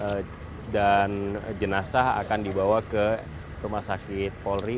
sementara bagian tubuh dan jenazah akan dibawa ke rumah sakit polri